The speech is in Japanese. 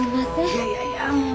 いやいやいやもう。